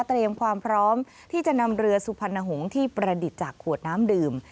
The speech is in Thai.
เตรียมความพร้อมที่จะนำเรือสุพรรณหงษ์ที่ประดิษฐ์จากขวดน้ำดื่ม